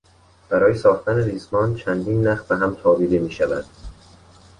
برای ساختن ریسمان چندین نخ بهم تابیده میشود.